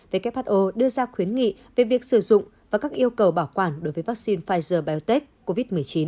who đưa ra khuyến nghị về việc sử dụng và các yêu cầu bảo quản đối với vaccine pfizer biontech covid một mươi chín